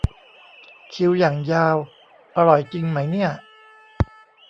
คิวอย่างยาว อร่อยจริงไหมเนี่ย